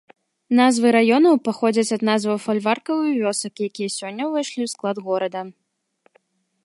Назвы раёнаў паходзяць ад назваў фальваркаў і вёсак, якія сёння ўвайшлі ў склад горада.